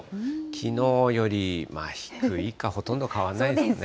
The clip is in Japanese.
きのうより低いか、ほとんど変わらないですね。